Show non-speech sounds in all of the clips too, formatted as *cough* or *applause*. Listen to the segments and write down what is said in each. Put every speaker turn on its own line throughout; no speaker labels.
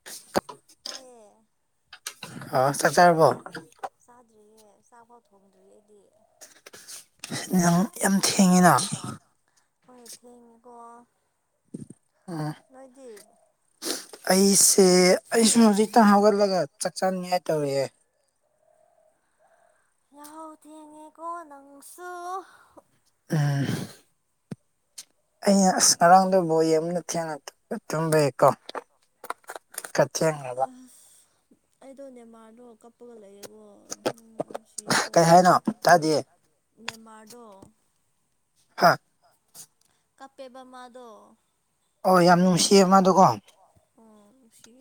*unintelligible*
ꯇꯌꯦ
ꯑ ꯆ ꯆꯦꯔꯕꯣ
ꯆꯥꯗ꯭ꯔꯤꯌꯦꯦ ꯆꯥꯛꯐꯥꯎ ꯊꯣꯡꯗ꯭ꯔꯤꯌꯦꯦꯗꯤ
ꯌꯥꯝꯣ ꯌꯥꯝ ꯊꯦꯡꯉꯤ
ꯍꯣꯏ ꯊꯤꯡꯀꯣ
ꯑꯥ
ꯅꯣꯏꯗꯤ
ꯑꯩꯁꯦ ꯑꯩꯁꯨ ꯍꯧꯖꯤꯛꯇꯪ ꯍꯧꯒꯠꯂꯒ ꯆꯥꯛ ꯆꯥꯅꯤꯡꯉꯥꯏ ꯇꯧꯔꯛꯑꯦ
ꯌꯥꯎ ꯊꯦꯡꯉꯦꯀꯣ ꯅꯪꯁꯨ
ꯑ ꯑꯩꯅ ꯑꯁ ꯉꯔꯥꯡꯗ ꯕꯣꯣꯏ ꯑꯃꯅ ꯊꯦꯡꯅ ꯇꯨꯝꯕꯩꯀꯣ ꯀꯇꯦꯡ
ꯑ ꯑꯩꯗꯣ ꯅꯦꯃꯥꯔꯗꯣ ꯀꯞꯄꯒ ꯂꯩꯌꯦꯦꯕꯣ ꯁꯤꯀꯣ ꯅꯦꯃꯥꯗꯣ
ꯍꯥ
ꯀꯄꯦꯕꯃꯥꯗꯣ ꯎ ꯎꯆ ꯁꯤ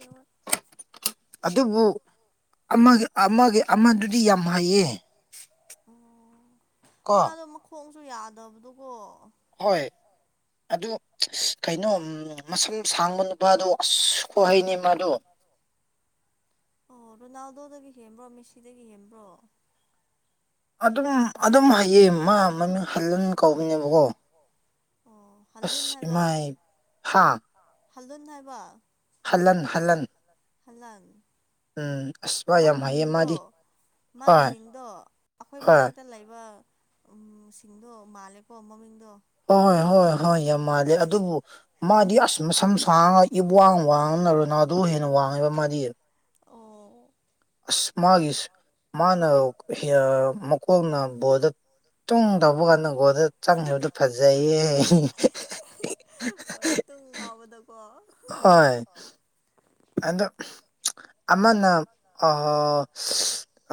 ꯑꯗꯨꯕꯨ ꯑꯃꯒꯤ ꯑꯃꯒꯤ ꯑꯃꯗꯨꯗꯤ ꯌꯥꯝ ꯍꯩꯌꯦ
ꯑꯣ ꯃꯥꯗꯣ ꯃꯈꯣꯡꯁꯨ ꯌꯥꯗꯕꯗꯨꯀꯣ
ꯍꯣꯏ ꯑꯗꯨ ꯀꯩꯅꯣ ꯃꯁꯝ ꯁꯥꯡꯕ ꯅꯨꯄꯥꯗꯣ ꯑꯁ ꯈꯣꯍꯩꯅꯦ ꯃꯥꯗꯣ
ꯑꯣ ꯔꯣꯅꯥꯜꯗꯣꯗꯒꯤ ꯍꯦꯟꯕ꯭ꯔꯣ ꯃꯦꯁꯤꯗꯒꯤ ꯍꯦꯟꯕ꯭ꯔꯣ
ꯑꯗꯨꯝ ꯑꯗꯨꯝ ꯍꯌꯦ ꯃꯥ ꯃꯃꯤꯡ ꯍꯜꯍꯟ ꯀꯧꯕꯧꯅꯦꯕꯀꯣ ꯑꯁꯃꯥꯏ ꯍꯥꯥ
ꯍꯜꯂꯨꯟ ꯍꯥꯏꯕ ꯍꯜꯂꯟ
ꯎꯝ ꯑꯁ ꯋꯥ ꯌꯥꯝ ꯍꯩꯌꯦ ꯃꯥꯗꯤ
ꯃꯥꯒꯤ ꯃꯤꯡꯗꯣ ꯑꯩꯈꯣꯏ ꯃꯅꯥꯛꯇ ꯂꯩꯕ ꯎ ꯁꯤꯡꯗꯣ ꯃꯥꯜꯂꯦꯀꯣ ꯃꯃꯤꯡꯗꯣ
ꯍꯣꯏ ꯍꯣꯏ ꯍꯣꯏ ꯌꯥꯝ ꯃꯥꯂꯦ ꯑꯗꯨꯕꯨ ꯃꯥꯗꯤ ꯑꯁ ꯃꯁꯝ ꯁꯥꯡꯉ ꯏꯕꯋꯥꯡ ꯋꯥꯡꯅ ꯔꯣꯅꯥꯜꯗꯣ ꯍꯦꯟꯅ ꯋꯥꯡꯉꯦꯕ ꯃꯥꯗꯤ ꯑꯁ ꯃꯥꯒꯤ ꯃꯥꯅ ꯃꯈꯣꯡꯅ ꯕꯣꯜꯗ ꯇꯨꯡ ꯇꯧꯕ ꯀꯥꯟꯗꯒꯣꯗ ꯆꯪꯈꯤꯕꯗꯣ ꯐꯖꯩꯌꯦ
ꯇꯨꯡ ꯀꯥꯎꯕꯗꯀꯣ
ꯍꯣꯏ ꯑꯗꯣ ꯑꯃꯅ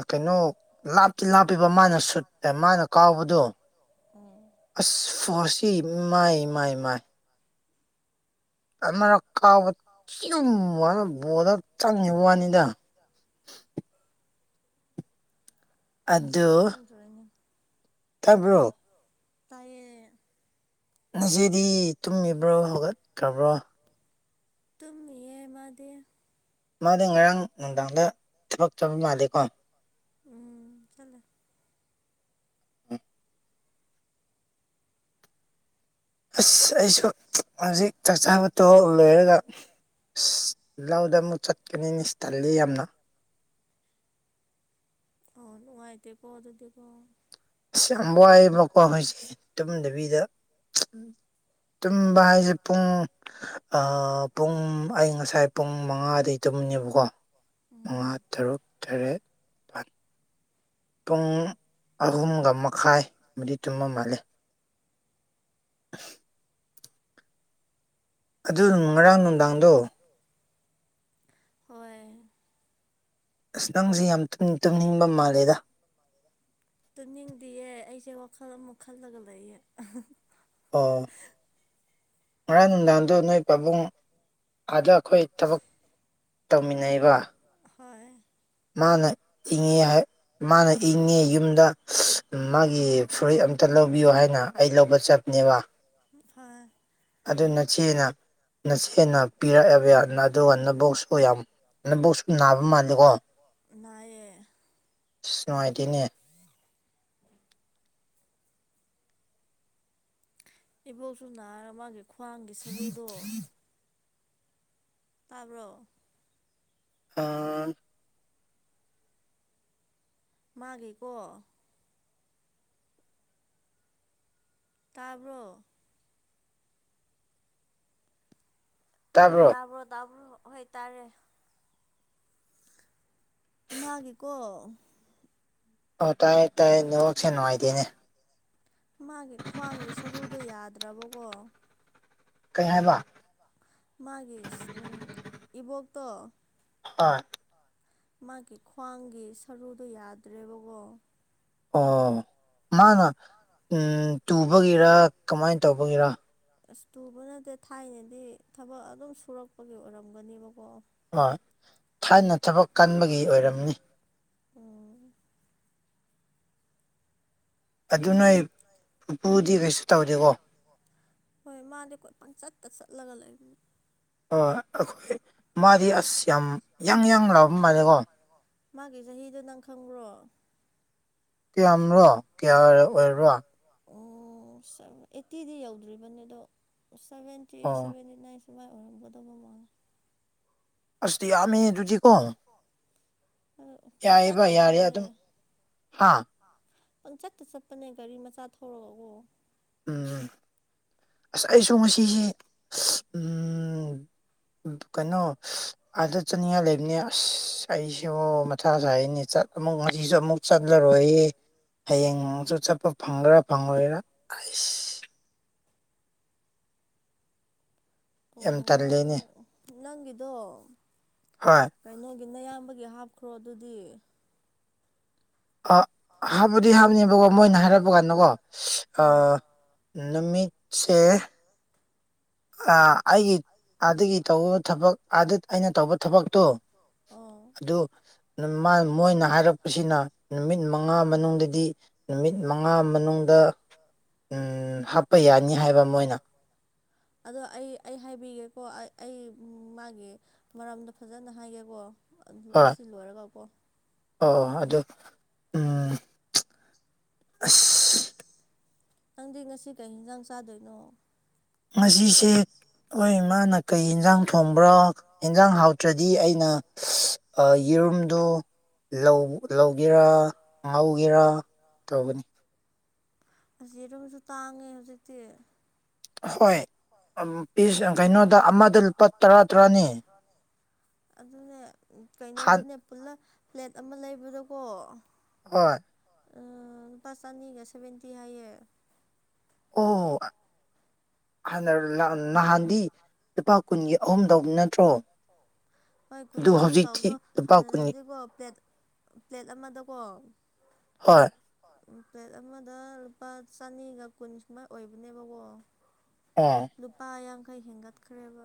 ꯀꯩꯅꯣ ꯂꯥꯞꯇꯤ ꯂꯥꯞꯄꯤꯕ ꯃꯥꯅ ꯁꯨꯠ ꯑꯦ ꯃꯥꯅ ꯀꯥꯎꯕꯗꯣ
ꯎꯝ
ꯑꯁ ꯐꯣꯁꯤ ꯃꯥꯏ ꯃꯥꯏ ꯃꯥꯏ ꯑꯃꯔꯛ ꯀꯥꯎꯕ ꯆꯨꯝ ꯋꯥꯅ ꯕꯣꯜꯗ ꯆꯪꯉꯤꯕ ꯋꯥꯅꯤꯗ
ꯁꯤ ꯈꯪꯗ꯭ꯔꯅꯦ ꯇꯌꯦ
ꯉꯁꯤꯗꯤ ꯇꯨꯝꯃꯤꯕ꯭ꯔꯣ ꯍꯧꯒꯠꯈ꯭ꯔꯕ꯭ꯔꯣ
ꯇꯝꯃꯤ ꯌꯦ ꯃꯥꯗꯤ
ꯃꯥꯗꯤ ꯉꯔꯥꯡ ꯅꯨꯡꯗꯥꯡꯗ ꯊꯕꯛ ꯆꯕ ꯃꯥꯜꯗꯦꯀꯣ
ꯎꯝ ꯆꯠꯂꯦ
ꯑꯁ ꯑꯩꯁꯨ ꯍꯧꯖꯤꯛ ꯆꯥꯛꯆꯥꯕ ꯇꯣ ꯂꯣꯏꯔꯒ ꯑꯁ ꯂꯧꯗ ꯑꯃꯨꯛ ꯆꯠꯀꯅꯤꯅꯤꯁ ꯇꯜꯂꯤ ꯌꯥꯝꯅ
ꯑꯥꯎ ꯅꯨꯡꯉꯥꯏꯇꯦꯀꯣ ꯑꯗꯨꯗꯤꯀꯣ
ꯑꯁ ꯌꯥꯝ ꯋꯥꯏꯑꯦꯕꯀꯣ ꯑꯩꯖꯤ ꯇꯨꯝꯗꯕꯤꯗ ꯇꯨꯝꯕ ꯍꯥꯏ ꯑꯩꯁꯦ ꯄꯨꯡ ꯄꯨꯡ ꯑꯩ ꯉꯁꯥꯏ ꯄꯨꯡ ꯃꯉꯥꯗꯒꯤ ꯇꯨꯝꯃꯤꯅꯦꯕꯀꯣ ꯃꯉꯥ ꯇꯔꯨꯛ ꯇꯔꯦꯠ ꯄꯨꯡ ꯑꯍꯨꯝꯒ ꯃꯈꯥꯏ ꯑꯃꯗꯤ ꯇꯨꯝꯃ ꯃꯥꯜꯂꯤ ꯑꯗꯨ ꯉꯔꯥꯡ ꯅꯨꯡꯗꯥꯡꯗꯣ
ꯍꯣꯏ
ꯑꯁ ꯅꯪꯁꯦ ꯌꯥꯝ ꯇꯨꯝꯅꯤꯡꯕ ꯃꯥꯜꯂꯦꯗ
ꯇꯨꯅꯤꯡꯗꯤꯌꯦ ꯑꯩꯁꯦ ꯋꯥꯈꯜ ꯑꯃꯨꯛ ꯈꯜꯂꯒ ꯂꯩꯌꯦ
ꯑꯣ ꯉꯔꯥꯡ ꯅꯨꯡꯗꯥꯡꯗꯣ ꯅꯣꯏ ꯄꯥꯕꯨꯡ ꯑꯥꯗ ꯑꯩꯈꯣꯏ ꯊꯕꯛ ꯇꯧꯃꯤꯟꯅꯔꯤꯕ
ꯍꯣꯏ
ꯃꯥꯅ ꯏꯪꯉꯦ ꯃꯥꯅ ꯏꯪꯉꯦ ꯌꯨꯝꯗ ꯃꯥꯒꯤ ꯐꯨꯔꯤꯠ ꯑꯝꯇ ꯂꯧꯕꯤꯌꯣ ꯍꯥꯏꯅ ꯑꯩ ꯂꯧꯕ ꯆꯠꯅꯦꯕ
ꯍꯥ
ꯑꯗꯨ ꯅꯆꯦꯅ ꯅꯆꯦꯅ ꯄꯤꯔꯛꯑꯦꯕ ꯑꯗꯨꯒ ꯅꯕꯣꯛꯁꯨ ꯌꯥꯝ ꯅꯐꯧ ꯁꯨ ꯅꯥꯕ ꯃꯥꯜꯂꯦꯀꯣ ꯑ ꯅꯨꯡꯉꯥꯏꯇꯦꯅꯦ
ꯏꯕꯣꯛꯁꯨ ꯅꯍꯔꯒ ꯃꯥꯒꯤ ꯈ꯭ꯋꯥꯡꯒꯤ ꯁꯔꯨꯗꯣ ꯇꯥꯕ꯭ꯔꯣ
ꯑ
ꯃꯥꯒꯦꯀꯣ ꯇꯥꯕ꯭ꯔꯣ ꯇꯥꯕꯔꯣ ꯇꯥꯕꯔꯣ ꯍꯣꯏ ꯇꯥꯔꯦ ꯃꯥꯒꯤꯀꯣ
ꯑꯣ ꯇꯥꯏꯌꯦ ꯇꯥꯏꯌꯦ ꯅꯦꯋꯥꯛꯁꯦ ꯅꯨꯡꯉꯥꯏꯇꯦꯅꯦ
ꯃꯥꯒꯤ ꯈ꯭ꯋꯥꯡꯒꯤ ꯁꯔꯨꯗꯣ ꯌꯥꯗ꯭ꯔꯕꯀꯣ
ꯀꯩ ꯍꯥꯏꯕ
ꯃꯥꯒꯤ ꯏꯕꯣꯛꯇꯣ
ꯍꯣꯏ
ꯃꯥꯒꯤ ꯈ꯭ꯋꯥꯡꯒꯤ ꯁꯔꯨꯗꯨꯣ ꯌꯥꯗ꯭ꯔꯦꯕꯀꯣ
ꯑꯣ ꯃꯥ ꯅ
ꯍꯉ
ꯇꯨꯕꯒꯤꯔꯥ ꯀꯃꯥꯏꯅ ꯇꯧꯕꯒꯤꯔ
ꯑꯁ ꯇꯨꯕ ꯅꯠꯇꯦ ꯊꯥꯏꯅꯗꯤ ꯊꯕꯛ ꯑꯗꯨꯝ ꯁꯨꯔꯛꯄꯒꯤ ꯑꯣꯏꯔꯝꯒꯅꯦꯕꯀꯣ
ꯍꯣꯏ ꯊꯥꯏꯅ ꯊꯕꯛ ꯀꯟꯕꯒꯤ ꯑꯣꯏꯔꯝꯅꯤ ꯑꯗꯨ ꯅ ꯑꯩ ꯄꯨꯄꯨꯗꯤ ꯀꯩꯁꯨ ꯇꯧꯗꯦꯀꯣ
ꯍꯣꯏ ꯃꯥꯗꯤ ꯀꯣꯏꯄꯪ ꯆꯠꯇ ꯆꯠꯂꯒ ꯂꯩꯕꯅꯤ
ꯍꯣꯏ ꯑꯩꯈꯣꯏ ꯃꯥꯗꯤ ꯑꯁ ꯌꯥꯝ ꯌꯥꯪ ꯌꯥꯪ ꯂꯥꯛꯕ ꯃꯥꯜꯂꯦꯀꯣ
ꯃꯥꯒꯤ ꯆꯍꯤꯗꯣ ꯅꯪ ꯈꯪꯕ꯭ꯔꯣ
ꯇ ꯌꯥꯝꯔꯣ ꯀꯌꯥ ꯑꯣꯏꯔꯣ
ꯑꯣ ꯑꯩꯠꯇꯤꯗꯤ ꯌꯧꯗ꯭ꯔꯤꯕꯅꯤ ꯑꯗꯣ ꯁꯚꯦꯟꯇꯤ ꯁꯚꯦꯟꯇꯤ ꯅꯥꯏꯟ ꯁꯕꯥꯥꯏ ꯑꯣꯏꯔꯕꯗꯧꯕꯝ ꯑꯣꯂ
ꯑꯁ ꯌꯥꯝ ꯑꯗꯨꯗꯨꯖꯤ ꯀꯣ
ꯑ ꯄꯁꯠꯇꯁꯔꯦ ꯅꯪ ꯆꯠꯇ ꯆꯠꯄꯅꯦ ꯒꯥꯔꯤ ꯃꯆꯥ ꯊꯧꯔꯛꯑꯒꯣ
ꯎꯝ ꯎꯝ ꯑꯁ ꯑꯩꯁꯨ ꯉꯁꯤꯁꯦ ꯀꯩꯅꯣ ꯑꯥꯗ ꯆꯠꯅꯤꯡꯉꯥꯏ ꯂꯩꯕꯅꯦ ꯑꯁ ꯑꯩꯁꯨ ꯃꯊ ꯁꯅꯦ ꯆꯠ ꯑꯃꯨꯛ ꯉꯁꯤꯁꯨ ꯑꯃꯨꯛ ꯆꯠꯂꯔꯣꯏ ꯍꯌꯦꯡꯁꯨ ꯆꯠꯄ ꯐꯪꯗ꯭ꯔꯥ ꯐꯪꯉꯣꯏꯔꯥ ꯑꯩꯁ
ꯑꯣ ꯅꯪ ꯅꯪꯒꯤꯗꯣ ꯀꯩꯅꯣꯒꯤ ꯅꯌꯥꯝꯕꯒꯤ ꯍꯥꯞꯈ꯭ꯔꯣ ꯑꯗꯨꯗꯤ
ꯍꯥꯞꯄꯗꯤ ꯍꯥꯞꯅꯦꯕꯀꯣ ꯃꯣꯏꯅ ꯍꯥꯏꯔꯛꯄ ꯀꯥꯟꯗꯀꯣ ꯅꯨꯃꯤꯠꯁꯦ ꯑꯩꯒꯤ ꯑꯗꯨꯒꯤ ꯇꯧꯕ ꯊꯕꯛ ꯑꯩꯅ ꯇꯧꯕ ꯊꯕꯛꯇꯣ ꯑꯗꯨ ꯃꯣꯏꯅ ꯍꯥꯏꯔꯛꯄꯁꯤꯅ ꯅꯨꯃꯤꯠ ꯃꯉꯥ ꯃꯅꯨꯡꯗꯗꯤ ꯅꯨꯃꯤꯠ ꯃꯉꯥ ꯃꯅꯨꯡꯗ ꯍꯥꯞꯄ ꯌꯥꯅꯤ ꯍꯥꯏꯕ ꯃꯣꯏꯅ
ꯑꯗꯣ ꯑꯩ ꯑꯩ ꯍꯥꯏꯕꯤꯒꯦꯀꯣ ꯑꯩ ꯃꯥꯒꯤ ꯃꯔꯝꯗꯣ ꯐꯖꯅ ꯍꯥꯏꯒꯦꯀꯣ ꯑꯗꯨ ꯑꯁꯤ ꯂꯣꯏꯔꯒꯀꯣ
ꯑꯣ ꯑꯗ ꯎꯝ ꯑ
ꯅꯪꯗꯤ ꯉꯁꯤ ꯀꯩ ꯌꯦꯟꯁꯥꯡ ꯆꯥꯗꯣꯏꯅꯣ
ꯉꯁꯤꯁꯦ ꯍꯣꯏ ꯃꯥꯅ ꯀꯩ ꯌꯦꯟꯖꯥꯡ ꯊꯣꯡꯕ꯭ꯔꯥ ꯌꯦꯟꯖꯥꯡ ꯍꯥꯎꯇ꯭ꯔꯗꯤ ꯑꯩꯅ ꯌꯦꯔꯨꯝꯗꯨ ꯂꯧꯒꯦꯔꯥ ꯉꯧꯒꯦꯔꯥ ꯇꯧꯕꯅꯤ
ꯑꯁ ꯌꯦꯔꯨꯝꯁꯨ ꯇꯥꯡꯉꯦ ꯍꯧꯖꯤꯛꯇꯤ
ꯍꯣꯏ ꯄꯤꯁ ꯀꯩꯅꯣꯗ ꯑꯃꯗ ꯂꯨꯄꯥ ꯇꯔꯥ ꯇꯔꯥꯅꯤ
*unintelligible* ꯑꯗꯨꯅꯦ ꯀꯩꯅꯣꯗꯅꯦ ꯄꯨꯂꯞ ꯄ꯭ꯂꯦꯠ ꯑꯃ ꯂꯩꯕꯗꯣꯀꯣ
ꯍꯣꯏ
ꯂꯨꯄꯥ ꯆꯥꯅꯤꯒ ꯁꯚꯦꯟꯇꯤ ꯍꯥꯏꯌꯦ
ꯑꯣ ꯅ ꯅꯍꯥꯟꯗꯤ ꯂꯨꯄꯥ ꯀꯨꯟꯒꯤ ꯑꯍꯨꯝꯗꯧꯕ ꯅꯠꯇ꯭ꯔꯣ
ꯍꯣꯏ ꯀꯨꯟꯒꯤ ꯑꯍꯨꯝ ꯇꯧꯕꯕꯗꯣ ꯍꯥꯟꯅꯅꯗꯤꯀꯣ ꯄ꯭ꯂꯦꯠ ꯄ꯭ꯂꯦꯠ ꯑꯃꯗꯀꯣ
ꯍꯣꯏ
ꯄ꯭ꯂꯦꯠ ꯑꯃꯗ ꯂꯨꯄꯥ ꯆꯅꯤꯒ ꯀꯨꯟ ꯁꯨꯃꯥꯏꯅ ꯑꯣꯏꯕꯅꯦꯕꯀꯣ ꯂꯨꯄꯥ ꯌꯥꯡꯈꯩ ꯍꯦꯟꯒꯠꯈ꯭ꯔꯦꯕ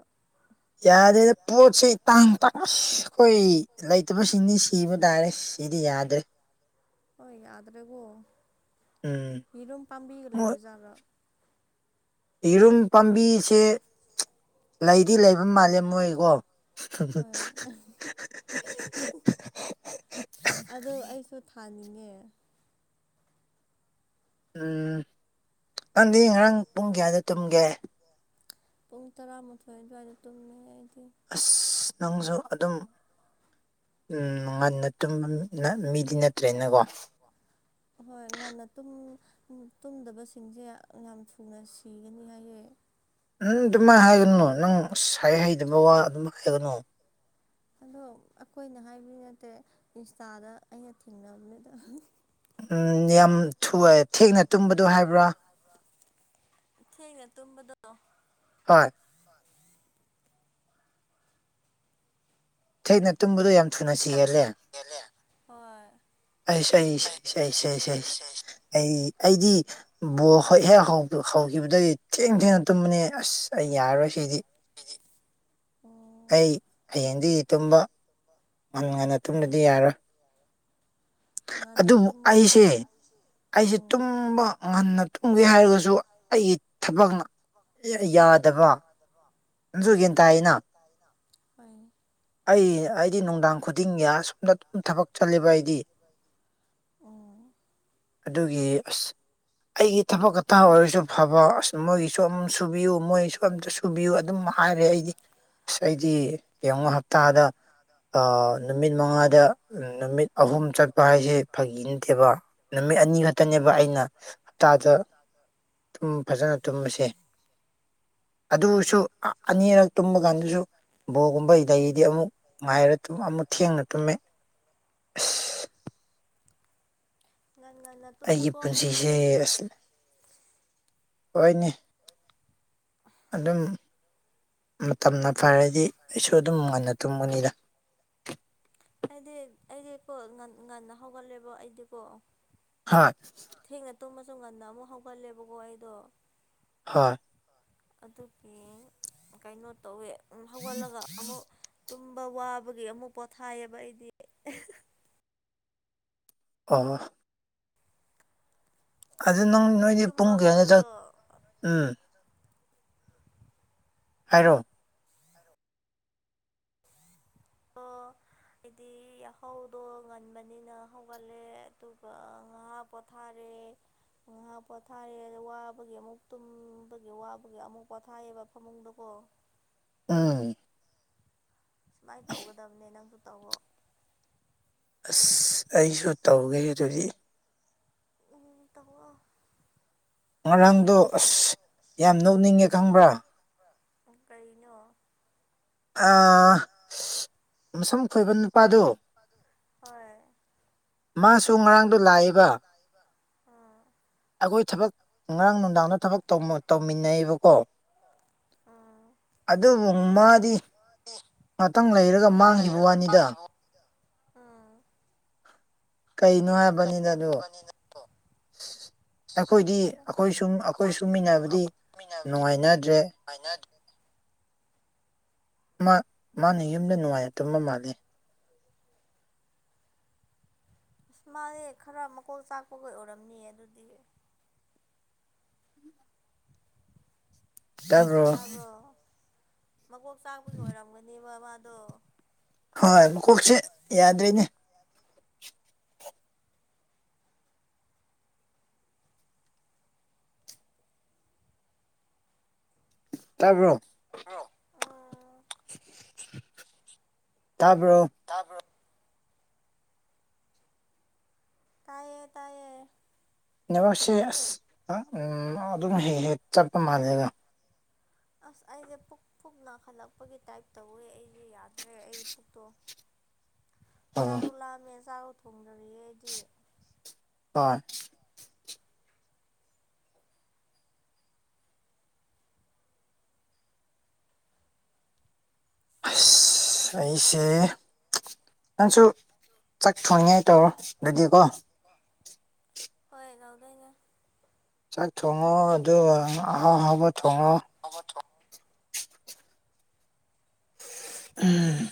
ꯌꯥꯔꯦꯗ ꯄꯣꯠꯁꯦ ꯇꯥꯡ ꯇꯅ ꯑꯩꯈꯣꯏ ꯂꯩꯇꯕꯁꯤꯡꯅꯤ ꯁꯤ ꯁꯤꯕ ꯇꯥꯔꯦ ꯁꯤꯗꯤ ꯌꯥꯗꯔꯦ
ꯍꯣꯏ ꯌꯥꯗ꯭ꯔꯦꯒꯣ ꯌꯦꯔꯨꯝ ꯄꯥꯝꯕꯤꯒ ꯂꯩꯕ ꯖꯥꯠꯂꯥ
ꯌꯦꯔꯨꯝ ꯄꯥꯝꯕꯤ ꯁꯤ ꯂꯩꯗꯤ ꯂꯩꯕ ꯃꯥꯂꯦ ꯃꯣꯏꯀꯣ *inaudible*
ꯑꯗꯨ ꯑꯩꯁꯨ ꯊꯥꯅꯤꯡꯉꯦ
ꯎꯝ ꯅꯪꯗꯤ ꯉꯔꯥꯡ ꯄꯨꯡ ꯀꯌꯥꯗ ꯇꯨꯝꯒꯦ
ꯄꯨꯡ ꯇꯔꯥꯃꯥꯊꯣꯏ ꯑꯗꯨꯋꯥꯏꯗ ꯇꯨꯝꯃꯦ ꯑꯩꯗꯤ
ꯑꯁ ꯅꯪꯁꯨ ꯑꯗꯨꯝ ꯎ ꯉꯟꯅ ꯇꯨꯝꯕ ꯃꯤꯗꯤ ꯅꯠꯇ꯭ꯔꯦꯅꯀꯣ
ꯍꯣꯏ ꯉꯟꯅ ꯇꯨꯝꯗꯕꯁꯤꯡꯁꯦ ꯌꯥꯝ ꯊꯨꯅ ꯁꯤꯒꯅꯤ ꯍꯥꯏꯌꯦ
ꯅꯪ ꯑꯗꯨꯃꯥꯏꯅ ꯍꯥꯏꯒꯅꯨ ꯅꯪ ꯁꯥꯏ ꯍꯩꯗꯕ ꯋꯥ ꯑꯗꯨꯝ ꯍꯥꯏꯒꯅꯨ
ꯑꯗꯣ ꯑꯩꯈꯣꯏꯅ ꯍꯥꯏꯕꯗꯤ ꯅꯠꯇꯦ ꯏꯟꯁꯇꯥꯗ ꯑꯩꯅ ꯊꯦꯡꯅꯕꯗꯨꯗ
ꯌꯥꯝ ꯊꯦꯡꯅ ꯇꯨꯝꯕꯗꯣ ꯍꯥꯏꯕ꯭ꯔꯥ
ꯊꯦꯡꯅ ꯇꯨꯝꯕꯗꯣ
ꯍꯣꯏ
ꯏꯃ
ꯊꯦꯡꯅ ꯇꯨꯝꯕꯗꯣ ꯌꯥꯝ ꯊꯨꯅ ꯁꯤꯍꯜꯂꯦ ꯑꯩ ꯁ ꯏꯁꯩ ꯁ ꯏꯁꯩ ꯁ ꯑꯩ ꯑꯩꯗꯤ ꯕ ꯍꯣꯏ ꯍꯦꯛ ꯍꯧꯈꯤꯕꯗꯒꯤ ꯊꯦꯡ ꯊꯦꯡꯅ ꯇꯨꯝꯕꯅꯤ ꯑꯁ ꯑꯩ ꯌꯥꯔꯣꯏ ꯁꯤꯗꯤ
ꯑꯣ
ꯑꯩ ꯍꯌꯦꯡꯗꯒꯤ ꯇꯨꯝꯕ ꯉꯟ ꯉꯟꯅ ꯇꯨꯝꯗꯗꯤ ꯌꯥꯔꯣꯏ ꯑꯗꯨꯕꯨ ꯑꯩꯁꯦ ꯑꯩꯁꯦ ꯇꯨꯝꯕ ꯉꯟꯅ ꯇꯨꯝꯒꯦ ꯍꯥꯏꯕꯒꯁꯨ ꯑꯩꯒꯤ ꯊꯕꯛꯅ ꯌꯥꯗꯕ
ꯗꯕꯥ
ꯑꯗꯨꯒꯤ ꯗꯥꯏꯅ
ꯍꯣꯏ
ꯑꯩ ꯑꯩꯗꯤ ꯅꯨꯡꯗꯥꯡ ꯈꯨꯗꯤꯡꯒꯤ ꯑꯁꯣꯝꯗ ꯊꯕꯛ ꯆꯠꯂꯦꯕ ꯑꯩꯗꯤ ꯑꯗꯨꯒꯤ ꯑꯁ ꯑꯩꯒꯤ ꯊꯕꯛ ꯑꯇꯥ ꯑꯣꯏꯔꯁꯨ ꯐꯕ ꯃꯣꯏꯒꯤꯁꯨ ꯑꯝ ꯁꯨꯕꯤꯌꯨ ꯃꯣꯏꯒꯤꯁꯨ ꯑꯝꯇ ꯁꯨꯕꯤꯌꯨ ꯑꯗꯨꯝ ꯍꯥꯏꯔꯦ ꯑꯩꯗꯤ ꯑꯁ ꯑꯩꯗꯤ ꯌꯦꯡꯉꯨ ꯍꯞꯇꯥꯗ ꯅꯨꯃꯤꯠ ꯃꯉꯥꯗ ꯅꯨꯃꯤꯠ ꯑꯍꯨꯝ ꯆꯠꯄ ꯍꯥꯏꯁꯦ ꯐꯒꯤ ꯅꯠꯇꯦꯕ ꯅꯨꯃꯤꯠ ꯑꯅꯤ ꯈꯛꯇꯅꯦꯕ ꯑꯩꯅ ꯍꯞꯇꯥꯗ ꯑꯗꯨꯝ ꯐꯖꯅ ꯇꯨꯝꯕꯁꯦ ꯑꯗꯨꯁꯨ ꯑꯅꯤꯔꯛ ꯇꯨꯝꯕ ꯀꯥꯟꯗꯁꯨ ꯕꯣꯜ ꯒꯨꯝꯕ ꯂꯩꯗꯤ ꯑꯃꯨꯛ ꯉꯥꯏꯔ ꯑꯃꯨꯛ ꯊꯦꯡꯅ ꯇꯨꯝꯃꯦ ꯑꯁ
ꯉꯟ ꯉꯟꯅ ꯇꯨꯝꯃꯨꯀꯣ ꯃꯊꯪꯗꯗꯤ
ꯍꯣꯏꯅꯦ ꯑꯗꯨꯝ ꯃꯇꯝꯅ ꯐꯔꯗꯤ ꯑꯩꯁꯨ ꯑꯗꯨꯝ ꯉꯟꯅ ꯇꯨꯝꯒꯅꯤꯗ
ꯑꯩꯗꯤ ꯑꯩꯗꯤꯀꯣ ꯉꯟ ꯉꯟꯅ ꯍꯧꯒꯠꯂꯦꯕꯣ ꯑꯩꯗꯤꯀꯣ
ꯍꯥ
ꯊꯦꯡꯅ ꯇꯨꯝꯃꯁꯨ ꯉꯟꯅ ꯑꯃꯨꯛ ꯍꯧꯒꯠꯂꯦꯕꯀꯣ ꯑꯩꯗꯣ
ꯍꯣꯏ
ꯑꯗꯨꯒꯤ ꯀꯩꯅꯣ ꯇꯧꯋꯦ ꯍꯧꯒꯠꯂꯒ ꯑꯃꯨꯛ ꯇꯨꯝꯕ ꯋꯥꯕꯒꯤ ꯑꯃꯨꯛ ꯄꯣꯊꯥꯏꯑꯕ ꯑꯩꯗꯤ
ꯑ ꯑꯗꯨ ꯅꯪ ꯅꯣꯏꯗꯤ ꯄꯨꯡ ꯀꯌꯥꯗ ꯎꯝ ꯍꯥꯏꯔꯣ
ꯑꯣ ꯍꯥꯏꯗꯤ ꯌꯥꯍꯧꯗꯣ ꯉꯟꯕꯅꯤꯅ ꯍꯧꯒꯠꯂꯦ ꯑꯗꯨꯒ ꯉꯥ ꯄꯣꯠ ꯊꯥꯔꯦ ꯉꯥꯏꯍꯥꯛ ꯄꯣꯊꯥꯔꯦ ꯑꯗꯨ ꯋꯥꯕꯒꯤ ꯑꯃꯨꯛ ꯇꯨꯝꯕꯒꯤ ꯋꯥꯕꯒꯤ ꯑꯃꯨꯛ ꯄꯣꯊꯥꯏꯑꯦꯕ ꯐꯃꯨꯡꯗꯀꯣ
ꯎꯝ
ꯁꯨꯃꯥꯏ ꯇꯧꯒꯗꯕꯅꯦ ꯅꯪꯁꯨ ꯇꯧꯋꯣ꯫
ꯑꯁ ꯑꯩꯁꯨ ꯇꯧꯒꯦ ꯑꯗꯨꯗꯤ
ꯇꯧꯋꯣ꯫
ꯉꯔꯥꯡꯗꯣ ꯑꯁ ꯌꯥꯝ ꯅꯣꯛꯅꯤꯡꯉꯦ ꯈꯪꯕ꯭ꯔꯥ
ꯀꯩꯅꯣ
ꯍꯥ ꯃꯁꯝ ꯈꯣꯏꯕ ꯅꯨꯄꯥꯗꯨ
ꯍꯣꯏ ꯃꯥꯁꯨ ꯉꯔꯥꯡ ꯗꯣ ꯂꯥꯛꯏꯕ ꯎꯝ
ꯑꯩꯈꯣꯏ ꯊꯕꯛ ꯉꯔꯥꯡ ꯅꯨꯡꯗꯥꯡꯗ ꯊꯕꯛ ꯇꯧꯃꯤꯟꯅꯩꯕꯀꯣ ꯑꯗꯨꯕꯨ ꯃꯥꯗꯤ ꯉꯥꯛꯇꯪ ꯂꯩꯔꯒ ꯃꯥꯡꯈꯤꯕ ꯋꯥꯅꯤꯗ
ꯍꯥꯞꯗ ꯎꯝ
ꯀꯩꯅꯣ ꯍꯥꯏꯕ
*unintelligible*
ꯑ ꯑꯩꯈꯣꯏꯗꯤ ꯑꯩꯈꯣꯏ ꯁꯨꯝ ꯑꯩꯈꯣꯏ ꯁꯨꯝꯃꯤꯟꯅꯕꯗꯤ ꯅꯨꯡꯉꯥꯏꯅꯗ꯭ꯔꯦ꯫
ꯉꯥꯏꯅꯗꯦ꯫
ꯃꯥ ꯃꯥꯅ ꯌꯨꯝꯗ ꯅꯨꯡꯉꯥꯏꯅ ꯇꯨꯝꯕ ꯃꯥꯜꯂꯤ꯫
ꯑꯁ ꯃꯥꯗꯤ ꯈꯔ ꯃꯀꯣꯛ ꯆꯥꯛꯄꯒꯤ ꯑꯣꯏꯔꯝꯅꯤꯌꯦ ꯑꯗꯨꯗꯤ꯫ ꯇꯥꯕ꯭ꯔꯣ ꯃꯀꯣꯛ ꯆꯥꯛꯄꯒꯤ ꯑꯣꯏꯔꯝꯒꯅꯤꯕ ꯃꯥꯗꯣ
ꯍꯣꯏ ꯀꯣꯛꯁꯦ ꯌꯥꯗ꯭ꯔꯦꯅꯦ꯫ ꯇꯥꯕ꯭ꯔꯣ ꯇꯥꯕ꯭ꯔꯣ
ꯇꯥꯕ꯭ꯔꯣ ꯇꯥꯏꯌꯦ ꯇꯥꯏꯌꯦ
ꯅꯕꯁꯦ ꯑꯁ ꯑ ꯑꯝ ꯑꯗꯨꯝ ꯍꯦ-ꯍꯦꯛ ꯆꯠꯄ ꯃꯥꯜꯂꯦꯗ꯫
ꯑꯁ ꯑꯩꯖꯦ ꯄꯨꯛ ꯄꯨꯛ ꯅꯥꯈꯠꯂꯛꯄꯒꯤ ꯇꯥꯏꯞ ꯇꯧꯋꯦ ꯑꯩꯖꯦ ꯌꯥꯗ꯭ꯔꯦ ꯑꯩ ꯄꯨꯛꯇꯣ꯫
*inaudible*
ꯆꯛꯁꯨ ꯂꯥꯝꯃꯦ ꯆꯥꯛꯎ ꯊꯣꯡꯗꯔꯤꯌꯦ ꯑꯩꯗꯤ
ꯄꯗꯤ꯫ ꯑꯁ ꯑꯩꯁꯦ ꯅꯪꯁꯨ ꯆꯥꯛ ꯊꯣꯡꯅꯤꯡꯉꯥꯏ ꯇꯧꯔꯣ ꯗꯨꯗꯤꯀꯣ꯫
ꯋꯥ ꯍꯣꯏ ꯂꯧꯗꯩꯅꯦ
ꯆꯥꯛ ꯊꯣꯡꯉꯣ ꯑꯗꯨꯋ
*inaudible*
ꯎꯝ